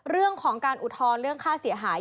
เรื่องของการอุทธรณ์เรื่องค่าเสียหาย